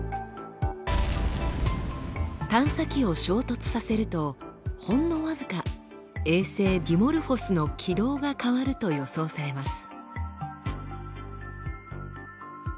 探査機を衝突させるとほんの僅か衛星ディモルフォスの軌道が変わると予想されます。